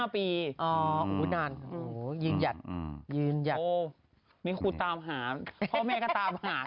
พ่อแม่ก็ตามหากัน